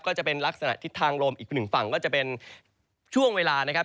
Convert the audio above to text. ก็จะเป็นลักษณะทิศทางลมอีกหนึ่งฝั่งก็จะเป็นช่วงเวลานะครับ